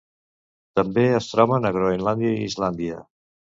També es troben a Groenlàndia i Islàndia.